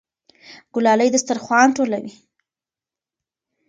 ګلالۍ دسترخوان ټولوي.